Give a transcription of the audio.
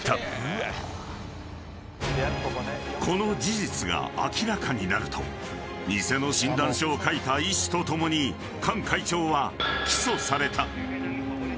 ［この事実が明らかになると偽の診断書を書いた医師と共にカン会長は起訴された］